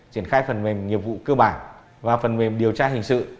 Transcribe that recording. triển khai phần mềm nghiệp vụ cơ bản và phần mềm điều tra hình sự